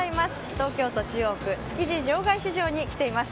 東京都中央区築地場外市場に来ています。